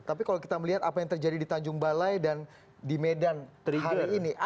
tapi kalau kita melihat apa yang terjadi di tanjung balai dan di medan hari ini